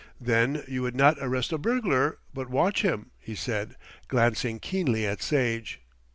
"Then you would not arrest a burglar, but watch him," he said, glancing keenly at Sage.